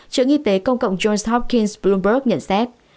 trưởng y tế công cộng johns hopkins bloomberg nhận xét